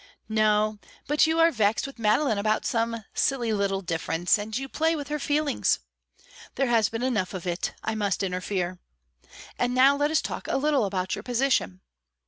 No; but you are vexed with Madeline about some silly little difference, and you play with her feelings. There has been enough of it; I must interfere. And now let us talk a little about your position.